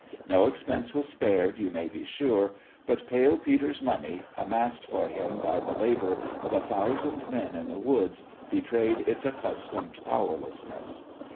No expense was spared, you may be sure ; but Pale Peter's money, amassed for him by the labour of a thou sand men in the woods, betrayed its accustomed powerlessness.